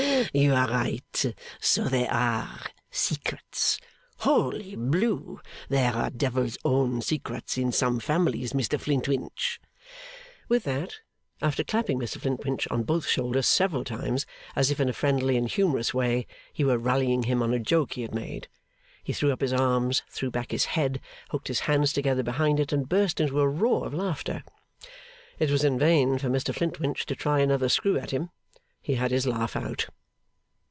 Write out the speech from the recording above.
you are right. So there are! Secrets! Holy Blue! There are the devil's own secrets in some families, Mr Flintwinch!' With that, after clapping Mr Flintwinch on both shoulders several times, as if in a friendly and humorous way he were rallying him on a joke he had made, he threw up his arms, threw back his head, hooked his hands together behind it, and burst into a roar of laughter. It was in vain for Mr Flintwinch to try another screw at him. He had his laugh out.